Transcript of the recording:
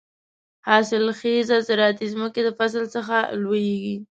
حاصل خېزه زراعتي ځمکې د فصل څخه لوېږي.